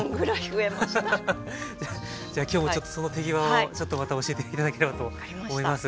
じゃあ今日もちょっとその手際をちょっとまた教えて頂ければと思います。